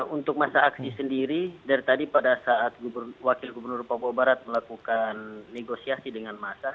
untuk masa aksi sendiri dari tadi pada saat wakil gubernur papua barat melakukan negosiasi dengan masa